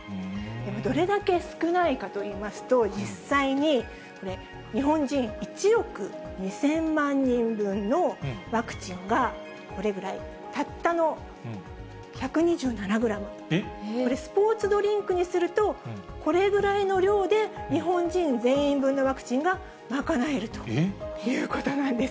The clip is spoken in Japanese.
どれだけ少ないかといいますと、実際に、日本人１億２０００万人分のワクチンがこれぐらい、たったの１２７グラム、これ、スポーツドリンクにすると、これぐらいの量で、日本人全員分のワクチンが賄えるということなんです。